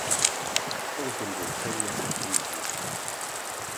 Frankenburg területe i.e.